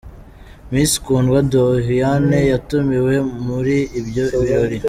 Miss Kundwa Doriane yatumiwe muri ibyo birori.